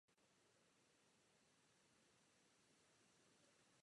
Člověk může sloužit jako mechanický vektor při šíření infekce.